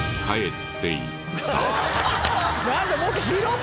はい。